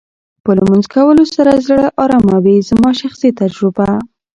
په لمونځ کولو سره زړه ارامه وې زما شخصي تجربه